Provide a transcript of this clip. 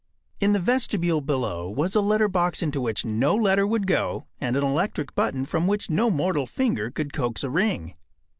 In the vestibule below was a letter box into which no letter would go, and an electric button from which no mortal finger could coax a ring.